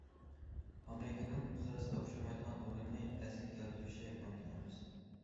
ئامېرىكىنىڭ خىرىسقا ئۇچرىمايدىغان ئورۇننى ئەسلىگە كەلتۈرۈشى مۇمكىن ئەمەس.